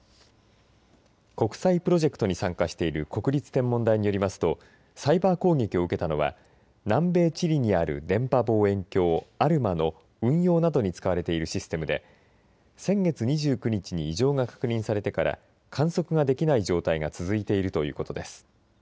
国際プロジェクトに参加している国立天文台によりますとサイバー攻撃を受けたのは南米チリにある電波望遠鏡アルマの運用などに使われているシステムで先月２９日に異常が確認されてから観測ができない状態が続いているということです。